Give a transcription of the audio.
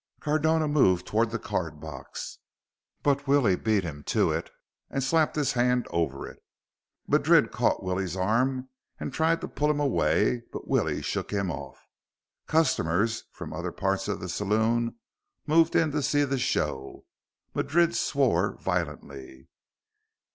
Cardona moved toward the card box, but Willie beat him to it and slapped his hand over it. Madrid caught Willie's arm and tried to pull him away, but Willie shook him off. Customers from other parts of the saloon moved in to see the show. Madrid swore violently.